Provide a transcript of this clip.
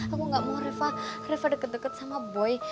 aku gak mau reva reva deket deket sama boy